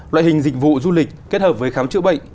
loại hình dịch vụ du lịch kết hợp với khám chữa bệnh